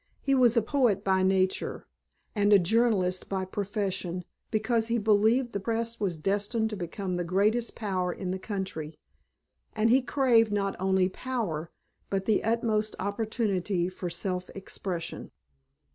He was a poet by nature, and a journalist by profession because he believed the press was destined to become the greatest power in the country, and he craved not only power but the utmost opportunity for self expression.